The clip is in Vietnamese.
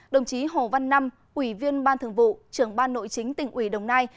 đồng chí hồ văn năm ủy viên ban thường vụ trưởng ban nội chính tỉnh ủy đồng nai